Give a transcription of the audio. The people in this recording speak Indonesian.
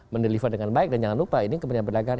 mendeliver dengan baik dan jangan lupa ini kementerian perdagangan